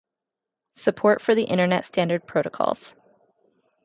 Support for the Internet standard protocols.